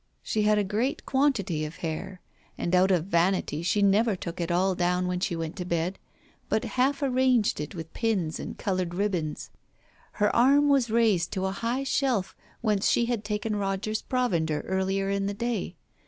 She had a great quantity of hair, and out of vanity she never took it all down when she went to bed, but half arranged it with pins and coloured ribbons. Her arm was raised to a high shelf whence she had taken Roger's provender earlier in the day.